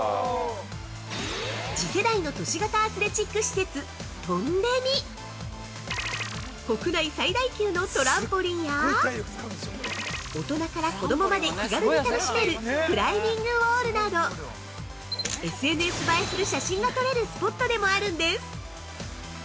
◆次世代の都市型アスレチック施設「トンデミ」国内最大級の「トランポリン」や大人から子供まで気軽に楽しめる「クライミングウォール」などＳＮＳ映えする写真が撮れるスポットでもあるんです。